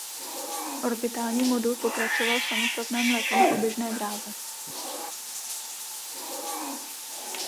Orbitální modul pokračoval v samostatném letu na oběžné dráze.